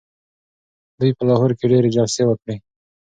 دوی په لاهور کي ډیري جلسې وکړې.